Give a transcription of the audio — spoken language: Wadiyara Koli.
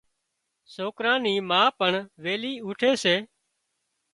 سوڪران ني ما پڻ ويلِي اُوٺي سي۔